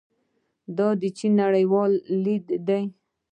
دا د چین نړیوال لید دی.